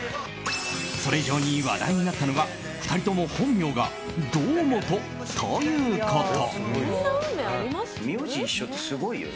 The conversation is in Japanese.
それ以上に話題になったのが２人とも本名が堂本ということ。